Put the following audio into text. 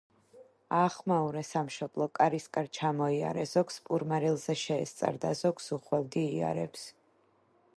აახმაურე სამშობლო, კარისკარ ჩამოიარე ზოგს პურ მარილზე შეესწარ და ზოგს უხვევდი იარებს...